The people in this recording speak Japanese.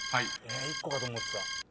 １個かと思ってた。